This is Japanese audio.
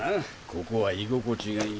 ここは居心地がいい。